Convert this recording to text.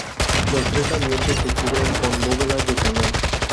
Los tres ambientes se cubren con bóvedas de cañón.